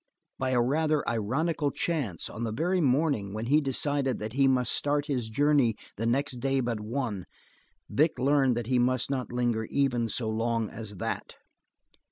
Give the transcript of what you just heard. By a rather ironical chance, on the very morning when he decided that he must start his journey the next day but one, Vic learned that he must not linger even so long as that.